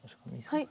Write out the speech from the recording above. はい。